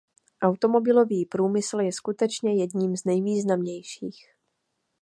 Automobilový průmysl je skutečně jedním z nejvýznamnějších.